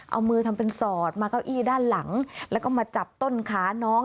เอามือทำเป็นสอดมาเก้าอี้ด้านหลังแล้วก็มาจับต้นขาน้อง